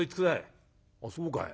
「ああそうかい。